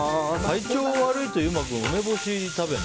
体調悪いと優馬君梅干し食べるの？